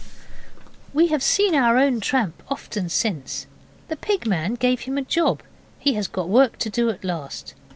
We have seen our own tramp often since. The Pig man gave him a job. He has got work to do at last.